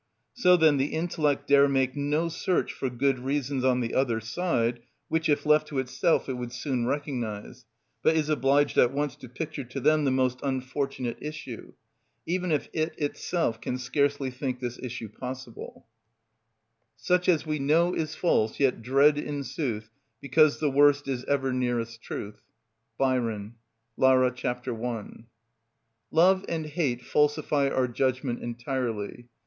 So then the intellect dare make no search for good reasons on the other side, which, if left to itself, it would soon recognise, but is obliged at once to picture to them the most unfortunate issue, even if it itself can scarcely think this issue possible: "Such as we know is false, yet dread in sooth, Because the worst is ever nearest truth." —BYRON (Lara, c. 1). Love and hate falsify our judgment entirely.